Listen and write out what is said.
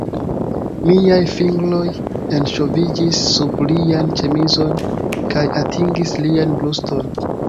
Miaj fingroj enŝoviĝis sub lian ĉemizon kaj atingis lian bruston.